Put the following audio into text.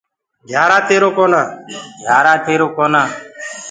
گھيآرآ تيروُ ڪونآ۔